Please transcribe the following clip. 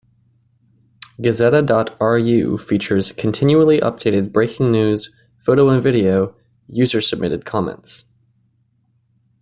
Gazeta dot ru features continually updated breaking news, photo and video, user-submitted comments.